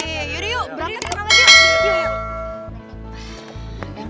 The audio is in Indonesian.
iya yuk deh yuk berangkat berangkat yuk